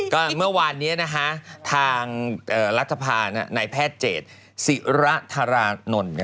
ก็เมื่อวานนี้ทางรัฐภานายแพทย์เจศิระธารานนท์